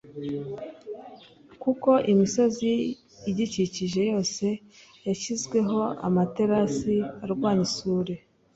kuko imisozi igikikije yose yashyizweho amaterasi arwanya isuri